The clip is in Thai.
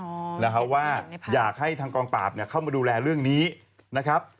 มาแล้วนะฮะว่าอยากให้ทางกองป่าลเข้ามาดูแลเรื่องนี้นะครับ